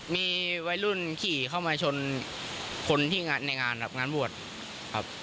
มีวัยรุ่นขี่เข้ามาชนคนที่งานในงานครับงานบวชครับ